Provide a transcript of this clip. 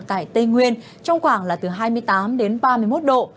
tại tây nguyên trong khoảng là từ hai mươi tám đến ba mươi một độ